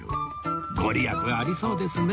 御利益ありそうですね